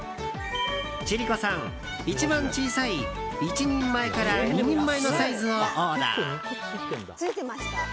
千里子さん、一番小さい１人前から２人前のサイズをオーダー。